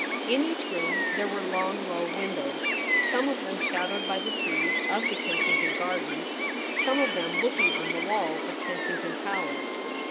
In each room there were long low windows, some of them shadowed by the trees of the Kensington Gardens ; some of them looking on the walls of Kensington Palace.